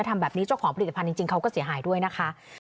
ทำแบบนี้เจ้าของผลิตภัณฑ์จริงเขาก็เสียหายด้วยนะคะ